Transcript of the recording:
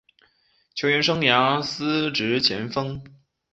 球员生涯司职前锋。